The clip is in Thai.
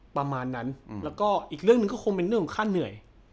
ประมาณนั้นแล้วก็อีกเรื่องหนึ่งก็คงเป็นเรื่องของค่าเหนื่อย